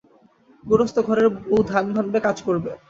গোরস্ত ঘরের বৌ ধান ভানবে, কাজ করবে।